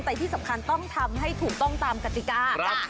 แต่ที่สำคัญต้องทำให้ถูกต้องตามประสบภาพจริงตก